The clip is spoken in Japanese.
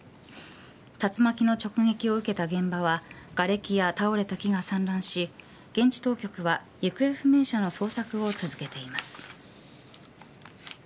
竜巻の直撃を受けた現場はがれきや倒れた木が散乱し現地当局は行方不明者の捜索を続けています。